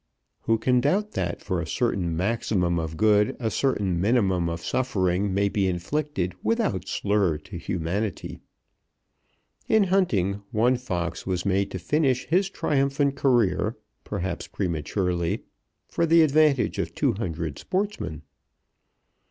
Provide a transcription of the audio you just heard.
Who can doubt that for a certain maximum of good a certain minimum of suffering may be inflicted without slur to humanity? In hunting, one fox was made to finish his triumphant career, perhaps prematurely, for the advantage of two hundred sportsmen.